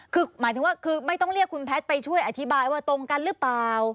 คือหมายถึงว่าคือไม่ต้องเรียกคุณแพทย์ไปช่วยอธิบายว่าตรงกันหรือเปล่า